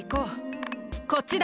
こっちだ。